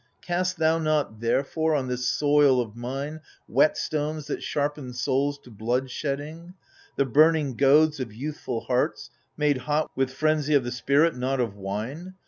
Cast thou not therefore on this soil of mine Whetstones that sharpen souls to bloodshedding. The burning goads of youthful hearts, made hot With frenzy of the spirit, not of wine.